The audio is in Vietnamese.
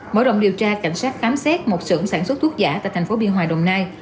mỗi đồng điều tra cảnh sát khám xét một sưởng sản xuất thuốc giả tại tp biên hòa đồng nai